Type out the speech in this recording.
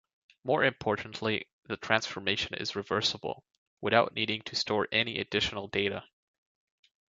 More importantly, the transformation is reversible, without needing to store any additional data.